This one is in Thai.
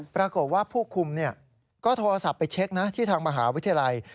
ปรากฏว่าผู้คุมก็โทรศัพท์ไปเช็คนะที่ทางมหาวิทยาลัย